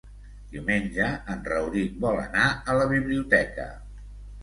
Diumenge en Rauric vol anar a la biblioteca.